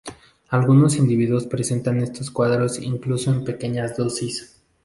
Algunos individuos presentan estos cuadros incluso en pequeñas dosis.